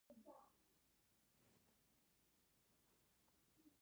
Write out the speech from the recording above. رحيق المختوم د نبوي سیرت يو معتبر کتاب دی.